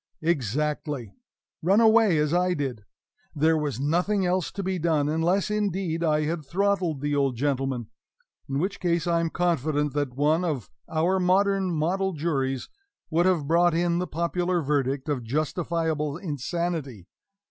Exactly; run away as I did. There was nothing else to be done, unless, indeed, I had throttled the old gentleman; in which case I am confident that one of our modern model juries would have brought in the popular verdict of justifiable insanity.